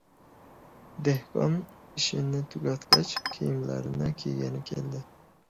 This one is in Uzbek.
Dehqon ishini tugatgach, kiyimlarini kiygani keldi.